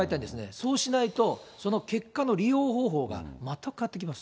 そうしないと、結果の利用方法が全く変わってきます。